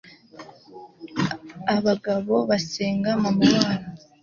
abagabo basenga mama wabo